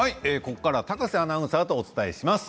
ここからは高瀬アナウンサーとお伝えします。